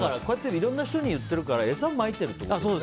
いろんな人に言ってるから餌をまいてるってことですね。